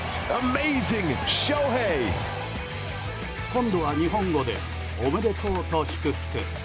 今度は日本語でおめでとうと祝福。